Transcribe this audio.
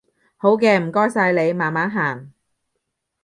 好嘅，唔該晒你，慢慢行